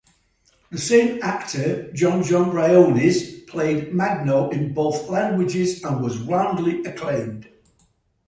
The same actor, JonJon Briones, played Magno in both languages and was roundly acclaimed.